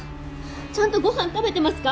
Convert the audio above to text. ちゃんとご飯食べてますか？